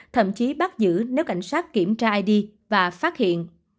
thậm chí bắt giữ nếu cảnh sát kiểm tra id và phát hiện